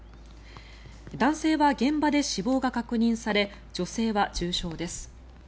男性は現場で死亡が確認され女性は重傷です。